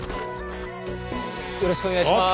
よろしくお願いします。